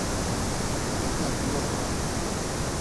Es nativo de Sudáfrica.